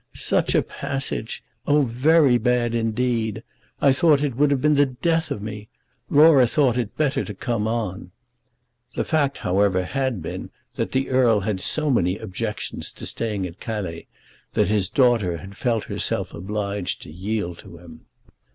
"Such a passage! Oh, very bad, indeed! I thought it would have been the death of me. Laura thought it better to come on." The fact, however, had been that the Earl had so many objections to staying at Calais, that his daughter had felt herself obliged to yield to him.